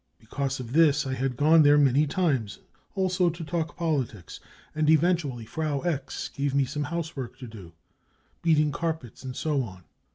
Because of this I had gone there many times, also to talk politics, and eventually Frau 4 X 9 gave me some housework to do, beating carpets and so on.